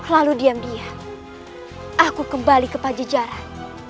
lalu diam diam aku kembali ke pajajaran